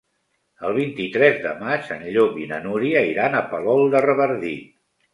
El vint-i-tres de maig en Llop i na Núria iran a Palol de Revardit.